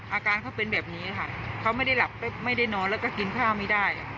อาการเขาเป็นแบบนี้ค่ะเขาไม่ได้หลับไม่ได้นอนแล้วก็กินข้าวไม่ได้